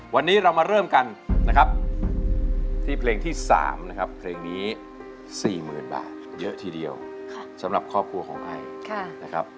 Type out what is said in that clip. วันนี้เรามาเริ่มกันนะครับที่เพลงที่๓นะครับเพลงนี้๔๐๐๐บาทเยอะทีเดียวสำหรับครอบครัวของไอนะครับ